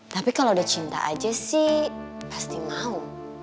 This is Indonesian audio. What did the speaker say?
tapi kalau udah cinta aja sih pasti mau